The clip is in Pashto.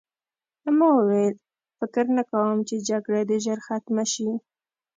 ما وویل فکر نه کوم چې جګړه دې ژر ختمه شي